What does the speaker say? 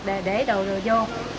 để đồ đồ vô